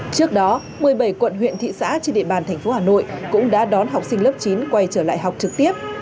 trước đó một mươi bảy quận huyện thị xã trên địa bàn thành phố hà nội cũng đã đón học sinh lớp chín quay trở lại học trực tiếp